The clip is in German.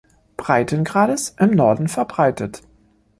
Breitengrades im Norden verbreitet.